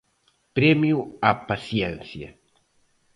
Premio á paciencia.